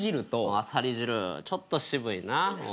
あさり汁ちょっと渋いな。